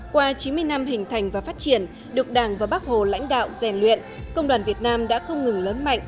qua chín mươi năm hình thành và phát triển được đảng và bác hồ lãnh đạo rèn luyện công đoàn việt nam đã không ngừng lớn mạnh